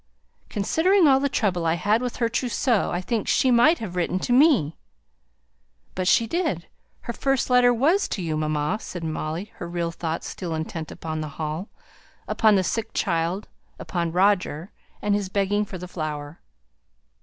"Considering all the trouble I had with her trousseau, I think she might have written to me." "But she did her first letter was to you, mamma," said Molly, her real thoughts still intent upon the Hall upon the sick child upon Roger, and his begging for the flower.